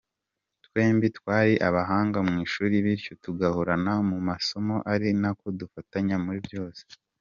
Twembi twari abahanga mu ishuri bityo tugahorana mu masomo ari nako dufatanya muri byose.